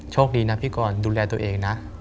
โชคดีนะพี่กรดูแลตัวเองนะ